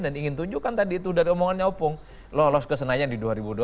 dan ingin tunjukkan tadi itu dari omongannya opung lolos ke senayan di dua ribu dua puluh empat